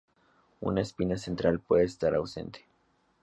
Una espina central puede estar ausente.